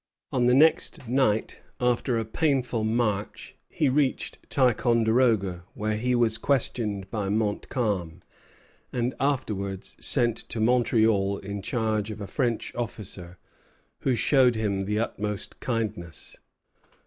On the next night, after a painful march, he reached Ticonderoga, where he was questioned by Montcalm, and afterwards sent to Montreal in charge of a French officer, who showed him the utmost kindness.